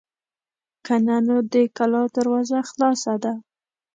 که نه نو د کلا دروازه خلاصه ده.